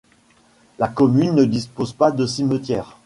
La commune ne dispose pas de cimetière.